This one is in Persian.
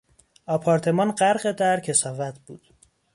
آپارتمان غرق در کثافت بود.